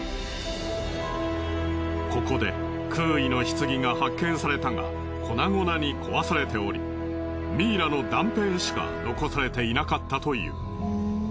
ここでクウイの棺が発見されたが粉々に壊されておりミイラの断片しか残されていなかったという。